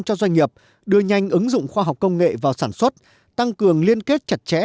cho doanh nghiệp đưa nhanh ứng dụng khoa học công nghệ vào sản xuất tăng cường liên kết chặt chẽ